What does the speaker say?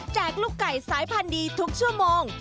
ลูกไก่สายพันธุ์ดีทุกชั่วโมง